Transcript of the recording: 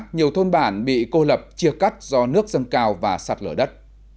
nhiều thôn bản bị cô lập chia cắt do nước dâng cao và sạt lở đất